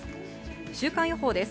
週間予報です。